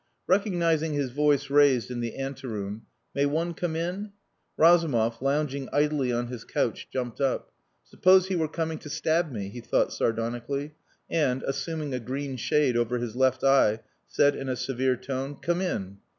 Recognizing his voice raised in the ante room, "May one come in?" Razumov, lounging idly on his couch, jumped up. "Suppose he were coming to stab me?" he thought sardonically, and, assuming a green shade over his left eye, said in a severe tone, "Come in."